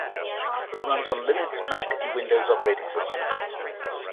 It runs on Linux, Mac and Windows operating systems.